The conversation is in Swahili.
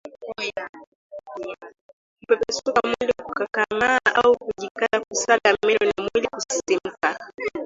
Kupepesuka mwili kukakamaa au kujikaza kusaga meno na mwili kusisimka